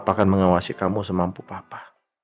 aku akan mengawasi kamu semampu papa